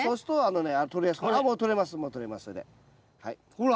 ほら。